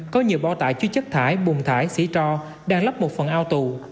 có nhiều bộ tải chứ chất thải bùng thải xỉ trò đang lấp một phần ao tù